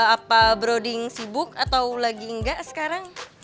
apa browding sibuk atau lagi enggak sekarang